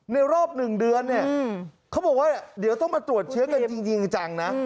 ในรอบ๑เดือนเนี่ยเขาบอกว่าเดี๋ยวต้องมาตรวจเชื้อกันจริงจังนะ